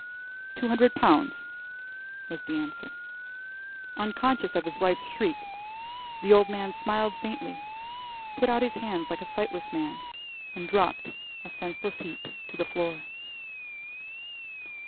"Two hundred pounds," was the answer. Unconscious of his wife's shriek, the old man smiled faintly, put out his hands like a sightless man, and dropped, a senseless heap, to the floor.